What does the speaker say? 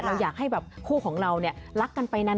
เราอยากให้แบบคู่ของเรารักกันไปนาน